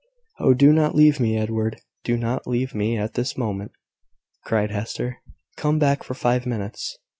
"Oh, do not leave me, Edward! Do not leave me at this moment!" cried Hester. "Come back for five minutes!"